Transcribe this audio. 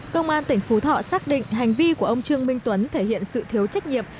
công an tỉnh phú thọ xác định hành vi của ông trương minh tuấn thể hiện sự thiếu trách nhiệm